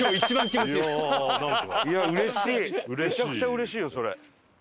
めちゃくちゃうれしいよそれ。